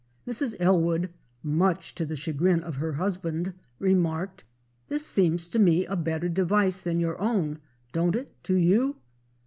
Mrs. Ellwood, much to the chagrin of her husband, remarked: "This seems to me a better device than your own, don't it to you?"